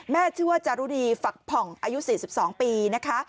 ชื่อว่าจารุณีฝักผ่องอายุ๔๒ปีนะคะ